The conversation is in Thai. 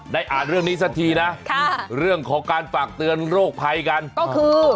อ่านเรื่องนี้สักทีนะค่ะเรื่องของการฝากเตือนโรคภัยกันก็คือ